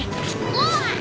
ああ。